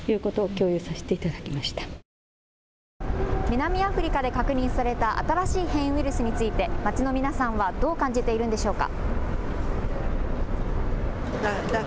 南アフリカで確認された新しい変異ウイルスについて街の皆さんは、どう感じているんでしょうか。